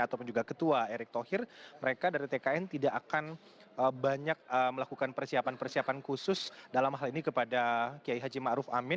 ataupun juga ketua erick thohir mereka dari tkn tidak akan banyak melakukan persiapan persiapan khusus dalam hal ini kepada kiai haji ⁇ maruf ⁇ amin